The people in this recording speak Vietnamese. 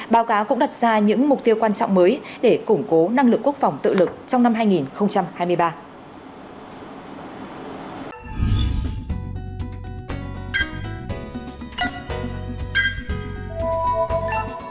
báo cáo cũng đặt ra những mục tiêu quan trọng mới để củng cố năng lực quốc phòng tự lực trong năm hai nghìn hai mươi ba